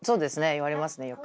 言われますねよく。